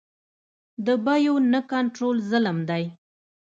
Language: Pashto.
د بیو نه کنټرول ظلم دی.